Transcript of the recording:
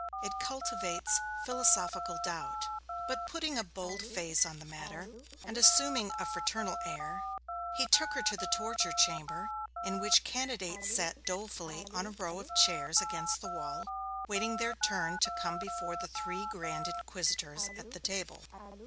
'It cultivates philosophical doubt.' But, putting a bold face on the matter, and assuming a fraternal air, he took her to the torture chamber, in which candidates sat dolefully on a row of chairs against the wall, waiting their turn to come before the three grand inquisitors at the table.